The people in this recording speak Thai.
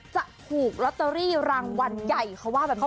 จะถูกลอตเตอรี่รางวัลใหญ่เขาว่าแบบนี้